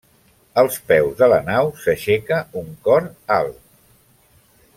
Als peus de la nau s'aixeca un cor alt.